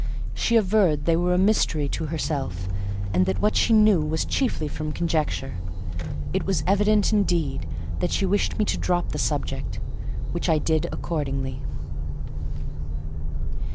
She averred they were a mystery to herself, and that what she knew was chiefly from conjecture. It was evident, indeed, that she wished me to drop the subject, which I did accordingly.